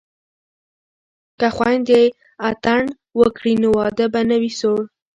که خویندې اتڼ وکړي نو واده به نه وي سوړ.